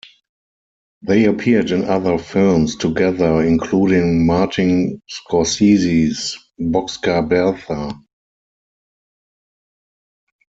They appeared in other films together including Martin Scorsese's "Boxcar Bertha".